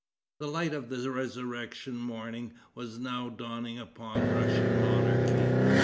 The light of a resurrection morning was now dawning upon the Russian monarchy.